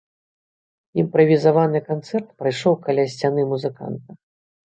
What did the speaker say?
Імправізаваны канцэрт прайшоў каля сцяны музыканта.